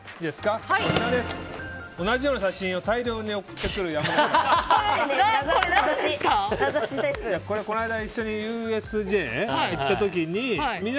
同じような写真を大量に送ってくる山崎アナ。